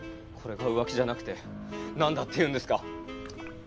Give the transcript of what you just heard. これが浮気じゃなくて何だっていうんですか。